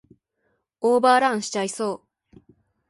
オーバーランしちゃいそう